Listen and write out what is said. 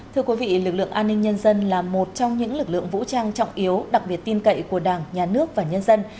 thưa quý vị lực lượng an ninh nhân dân là một trong những lực lượng vũ trang trọng yếu đặc biệt tin cậy của đảng nhà nước và nhân dân